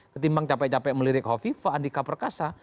ketimbang capek capek melirik hoviva andika perkasa